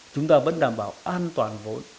chúng ta vẫn đảm bảo an toàn vốn